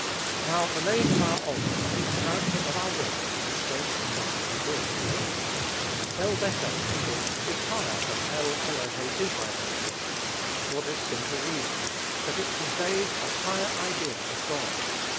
Now, the name of our altar and the character of our worship express the same idea. El Bethel worship is higher than El elohe Israel worship, for this simple reason, that it conveys a higher idea of God.